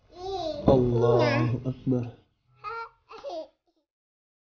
jangan lupa like share komen dan subscribe